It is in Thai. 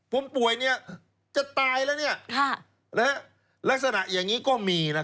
ผมป่วยจะตายแล้วลักษณะอย่างนี้ก็มี